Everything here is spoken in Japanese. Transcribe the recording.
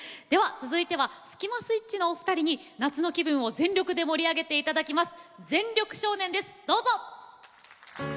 続いてはスキマスイッチのお二人が夏の気分を全力で盛り上げていただきます。